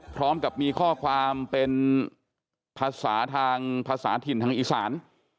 พร้อมกับมีข้อความเป็นภาษาทิ่นทางอิสร